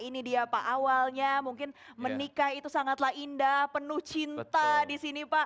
ini dia pak awalnya mungkin menikah itu sangatlah indah penuh cinta di sini pak